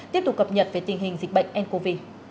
tiếp tục cập nhật về tình hình dịch bệnh ncov